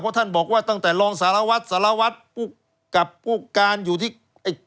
เพราะท่านบอกว่าตั้งแต่รองสารวัตรสารวัตรผู้กับผู้การอยู่ที่ไอ้